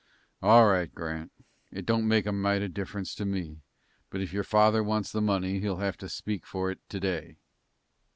"All right, Grant. It don't make a mite of difference to me, but if your father wants the money he'll have to speak for it to day."